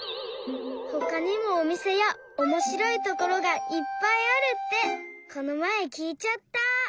ほかにもおみせやおもしろいところがいっぱいあるってこのまえきいちゃった！